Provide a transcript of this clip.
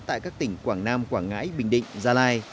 tại các tỉnh quảng nam quảng ngãi bình định gia lai